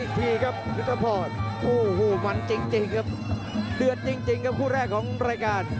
อีกทีครับยุทธพรโอ้โหมันจริงครับเดือดจริงครับคู่แรกของรายการ